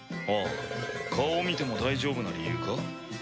ああ顔を見ても大丈夫な理由か？